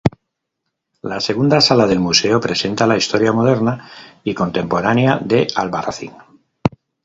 La segunda sala del Museo presenta la historia moderna y contemporánea de Albarracín.